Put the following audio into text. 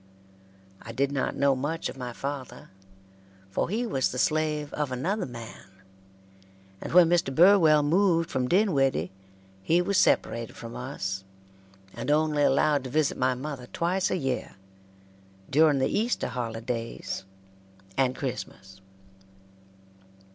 I did not know much of my father, for he was the slave of another man, and when Mr. Burwell moved from Dinwiddie he was separated from us, and only allowed to visit my mother twice a year during the Easter holidays and Christmas.